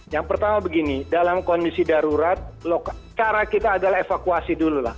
yang pertama begini dalam kondisi darurat cara kita adalah evakuasi dulu lah